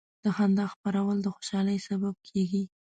د خندا خپرول د خوشحالۍ سبب کېږي.